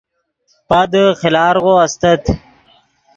پادے خیلارغو استت